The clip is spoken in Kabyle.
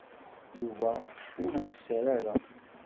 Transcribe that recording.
Yuba ur wesser ara.